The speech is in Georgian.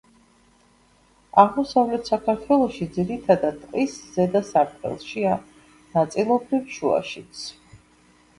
აღმოსავლეთ საქართველოში ძირითადად ტყის ზედა სარტყელშია, ნაწილობრივ შუაშიც.